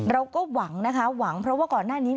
เราก็หวังเพราะว่าก่อนหน้านี้